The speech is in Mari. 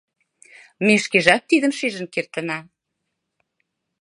Ме шкежат тидым шижын кертына.